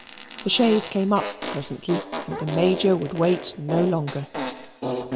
The chaise came up presently, and the Major would wait no longer.